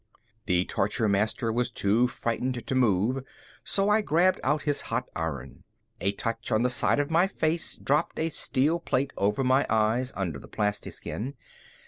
The torture master was too frightened to move, so I grabbed out his hot iron. A touch on the side of my face dropped a steel plate over my eyes, under the plastiskin.